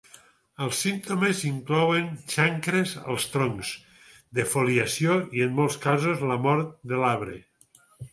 Els símptomes inclouen xancres als troncs, defoliació i en molts caos la mort de l'arbre.